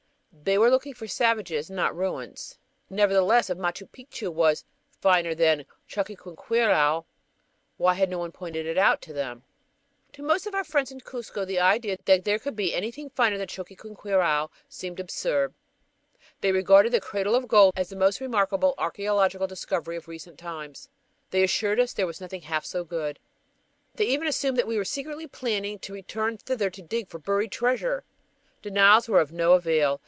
They were looking for savages and not ruins. Nevertheless, if Machu Picchu was "finer than Choqquequirau" why had no one pointed it out to them? FIGURE Peruvian Expedition of 1915 To most of our friends in Cuzco the idea that there could be anything finer than Choqquequirau seemed, absurd. They regarded that "cradle of gold" as "the most remarkable archeological discovery of recent times." They assured us there was nothing half so good. They even assumed that we were secretly planning to return thither to dig for buried treasure! Denials were of no avail.